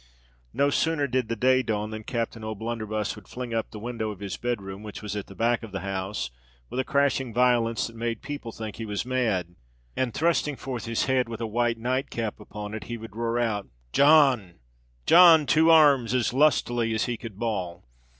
No sooner did the day dawn, than Captain O'Blunderbuss would fling up the window of his bed room, which was at the back of the house, with a crashing violence that made people think he was mad; and, thrusting forth his head with a white night cap upon it, he would roar out—"John! John! to arms!" as lustily as he could bawl.